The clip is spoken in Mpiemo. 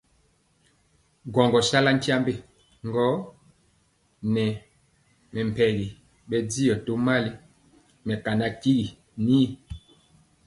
Ŋgɔɔgɔ sala tyiambe gɔ nɛ mɛmpegi bɛndiɔ tomali mɛkana tyigui y.